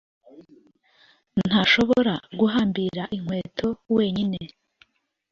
ntashobora guhambira inkweto wenyine